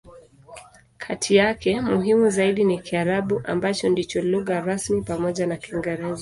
Kati yake, muhimu zaidi ni Kiarabu, ambacho ndicho lugha rasmi pamoja na Kiingereza.